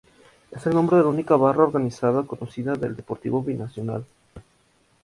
Es el nombre de la única barra organizada conocida del Deportivo Binacional.